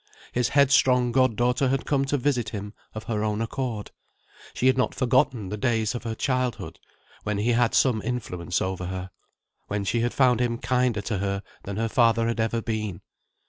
His headstrong goddaughter had come to visit him of her own accord. She had not forgotten the days of her childhood, when he had some influence over her when she had found him kinder to her than her father had ever been.